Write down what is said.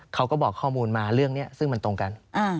เขาก็บอกข้อมูลมาเรื่องนี้ซึ่งมันตรงกัน